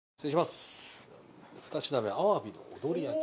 ２品目は鮑の踊り焼き。